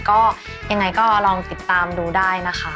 ก็ยังไงก็ลองติดตามดูได้นะคะ